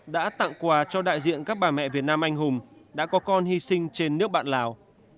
đã tặng quà cho đại diện các bà mẹ việt nam anh hùng đã có con hy sinh trên nước bạn lào